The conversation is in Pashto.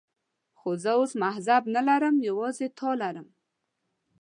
خو زه اوس مذهب نه لرم، یوازې تا لرم.